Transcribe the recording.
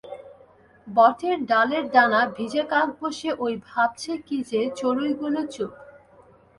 বটের ডালে ডানা ভিজেকাক বসে ওই ভাবছে কী যে, চড়ুইগুলো চুপ।